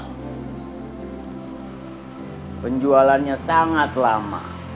tapi penjualannya sangat lama